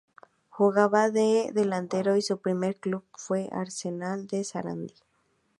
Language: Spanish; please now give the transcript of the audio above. Jugaba de delantero y su primer club fue Arsenal de Sarandí.